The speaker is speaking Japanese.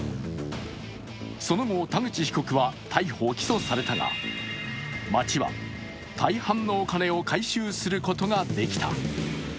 その後、田口被告は逮捕・起訴されたが町は大半のお金を回収することができた。